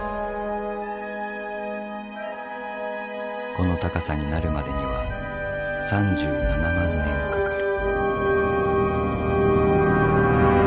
この高さになるまでには３７万年かかる。